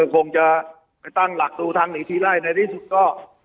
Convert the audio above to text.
คงจะไปตั้งหลักดูทางหนีทีไล่ในที่สุดก็